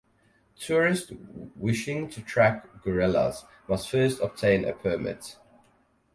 Tourists wishing to track gorillas must first obtain a permit.